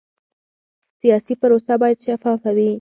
سیاسي پروسه باید شفافه وي